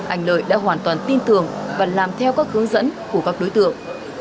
anh lợi đã hoàn toàn tin tưởng và làm theo các hướng dẫn của các đối tượng